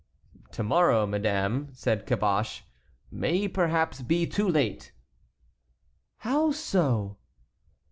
"To morrow, madame," said Caboche, "may perhaps be too late." "How so?"